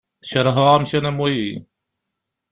Keṛheɣ amkan am wagi.